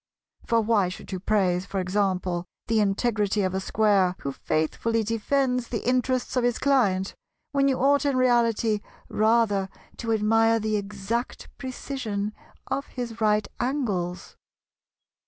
For why should you praise, for example, the integrity of a Square who faithfully defends the interests of his client, when you ought in reality rather to admire the exact precision of his right angles?